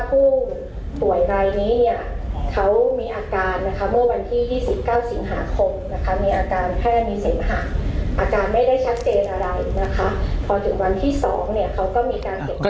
พอถึงวันที่๒เนี่ยเขาก็มีการเก็บ